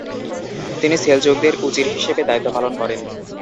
তিনি সেলজুকদের উজির হিসেবে দায়িত্ব পালন করেন।